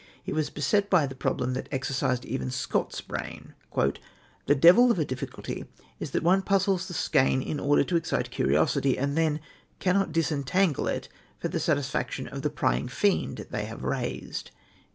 He was beset by the problem that exercised even Scott's brain: "The devil of a difficulty is that one puzzles the skein in order to excite curiosity, and then cannot disentangle it for the satisfaction of the prying fiend they have raised."